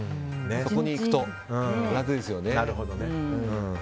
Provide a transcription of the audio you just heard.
そこにいくと楽ですよね。